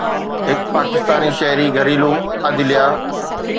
هڪ پاڪستاني شهري گهريلو عدليه